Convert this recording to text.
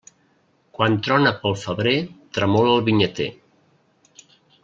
Quan trona pel febrer tremola el vinyater.